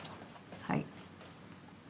はい。